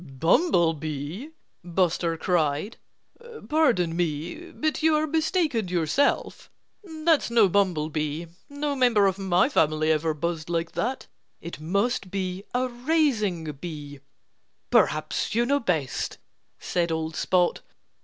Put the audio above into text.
"Bumblebee!" Buster cried. "Pardon me but you are mistaken yourself. That's no bumblebee. No member of my family ever buzzed like that.... It must be a raising bee." "Perhaps you know best," said old Spot.